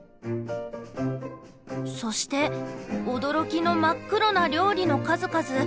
そして驚きの真っ黒な料理の数々。